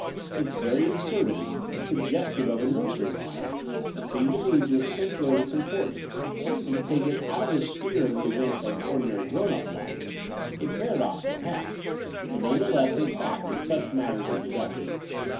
Its very absurdity, Sug gestive of a nursery rhyme, seemed to me to ac centttate its importance, and to take^ it out of the sphere of the events of everyday grown up life — a. paradox perhaps, but none the less a fact in such matters of deduction.